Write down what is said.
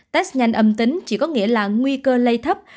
test nhanh âm tính chỉ có nghĩa là nguy cơ lây thấp